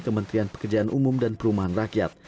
kementerian pekerjaan umum dan perumahan rakyat